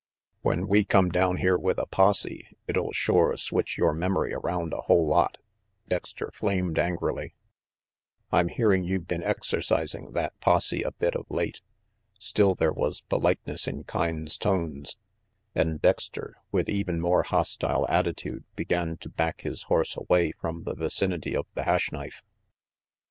"When we come down here with a posse, it'll shore switch your memory around a whole lot," Dexter flamed angrily. "I'm hearing you been exercising that posse a bit of late." Still there was politeness in Kyne's tones; and Dexter, with even more hostile attitude, began to back his horse away from the vicinity of the Hash Knife.